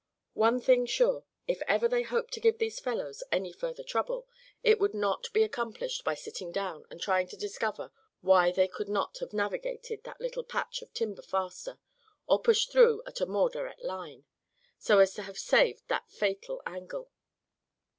One thing sure, if ever they hoped to give these fellows any further trouble, it would not be accomplished by sitting down, and trying to discover why they could not have navigated that little patch of timber faster; or pushed through at a more direct line, so as to have saved that fatal angle.